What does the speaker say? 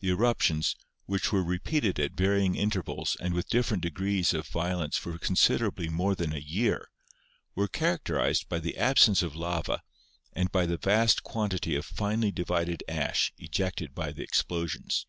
The erup tions, which were repeated at varying intervals and with different degrees of violence for considerably more than a year, were characterized by the absence of lava and by the vast quantity of finely divided ash ejected by the ex plosions.